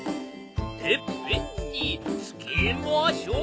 てっぺんにつけましょう。